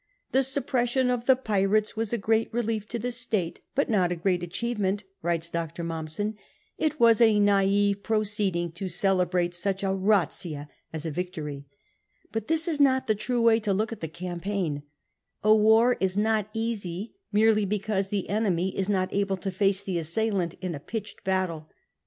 " The suppression of the pirates was a great relief to the state, but not a great achievement," writes Dr. Mommsen; ''it was a naive proceeding to celebrate such a razzia as a victory," But this is not the true way to look at the campaign ; a war is not easy merely because the enemy is not able to face the assailant in a pitched battle.